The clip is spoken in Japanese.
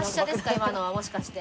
今のはもしかして。